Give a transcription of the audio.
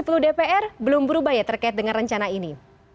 sepuluh dpr belum berubah ya terkait dengan rencana ini